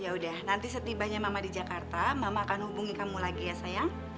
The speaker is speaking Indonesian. ya udah nanti setibanya mama di jakarta mama akan hubungi kamu lagi ya sayang